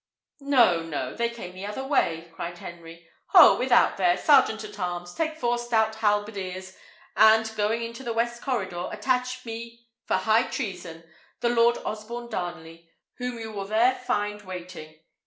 "No, no; they came the other way," said Henry. "Ho! without there! Sergeant at arms, take four stout halberdiers, and, going into the west corridor, attach me for high treason the Lord Osborne Darnley, whom you will there find waiting.